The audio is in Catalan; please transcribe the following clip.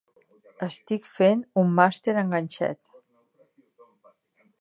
Estic fent un màster en ganxet.